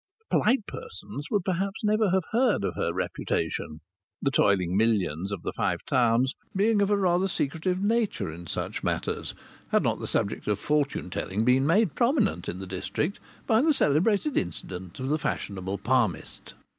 Polite persons would perhaps never have heard of her reputation, the toiling millions of the Five Towns being of a rather secretive nature in such matters, had not the subject of fortune telling been made prominent in the district by the celebrated incident of the fashionable palmist.